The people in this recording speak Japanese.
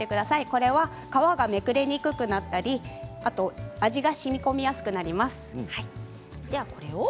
これは皮がめくれにくくなったり味がしみこみやすくなります。